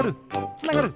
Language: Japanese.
つながる！